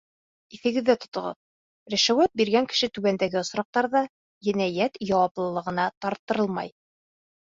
Иҫегеҙҙә тотоғоҙ: ришүәт биргән кеше түбәндәге осраҡтарҙа енәйәт яуаплылығына тарттырылмай: